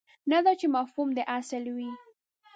نه دا چې مفهوم دې اصل وي.